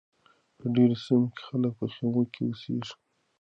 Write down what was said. په ډېرو سیمو کې خلک په خیمه کې اوسیږي.